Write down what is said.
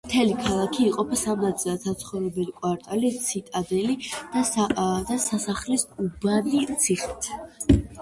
მთელი ქალაქი იყოფა სამ ნაწილად: საცხოვრებელი კვარტალი, ციტადელი და სასახლის უბანი ციხით.